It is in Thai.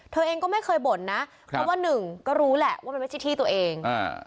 เธอเองก็ไม่เคยบ่นนะเพราะว่าหนึ่งก็รู้แหละว่ามันไม่ใช่ที่ตัวเองอ่า